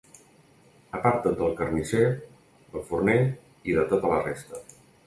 Aparta't del carnisser, del forner i de tota la resta.